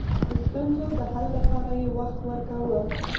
د ستونزو د حل لپاره يې وخت ورکاوه.